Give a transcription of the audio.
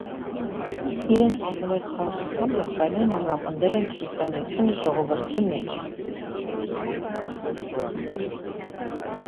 Իրենց անձնվեր քարոզչությամբ եղբայրներն ամրապնդել են քրիստոնեությունը ժողովրդի մեջ։